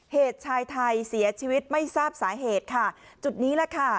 เหตุชายไทยเสียชีวิตไม่ทราบสาเหตุค่ะจุดนี้แหละค่ะ